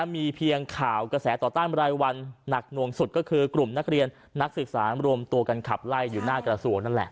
มีเพียงข่าวกระแสต่อต้านรายวันหนักหน่วงสุดก็คือกลุ่มนักเรียนนักศึกษารวมตัวกันขับไล่อยู่หน้ากระทรวงนั่นแหละ